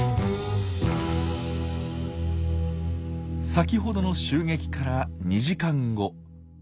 先ほどの襲撃から２時間後。